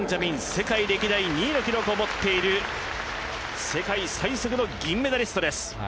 世界歴代２位の記録を持っている世界最速の銀メダリストです。